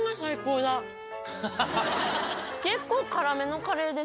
結構辛めのカレーです。